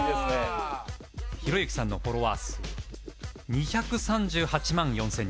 ひろゆきさんのフォロワー数２３８万４０００人